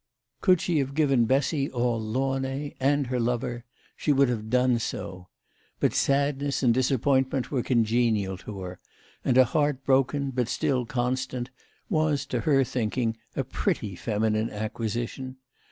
Could she have given Bessy all Launay, and her lover, she would have done so. But sadness and disappointment were congenial to her, and a heart broken, but still constant, was, to her thinking, a pretty feminine acquisition.